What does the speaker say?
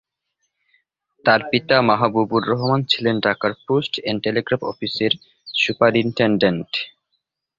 তার পিতা মাহবুবুর রহমান ছিলেন ঢাকার পোস্ট এন্ড টেলিগ্রাফ অফিসের সুপারিনটেনডেন্ট।